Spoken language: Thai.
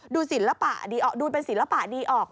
ดูเป็นศิลปะดีออก